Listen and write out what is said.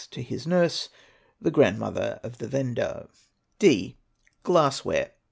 to his nurse, the grandmother of the vendor. D. Glassware.